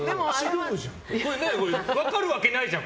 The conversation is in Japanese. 分かるわけないじゃん